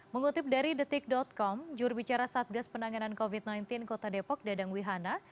mengutip dari detik com jurubicara satgas penanganan covid sembilan belas kota depok dadang wihana